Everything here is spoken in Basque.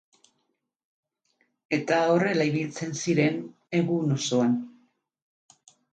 Eta horrela ibiltzen ziren egun osoan.